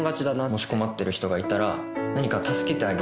もし困ってる人がいたら何か助けてあげるっていう。